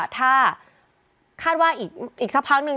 เธอแคดว่าอีกสักเผลอหนึ่ง